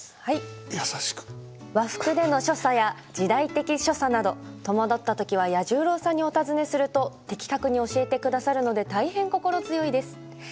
和服での所作や時代的所作など戸惑ったときは彌十郎さんにお尋ねすると的確に教えてくださるので大変、心強いです。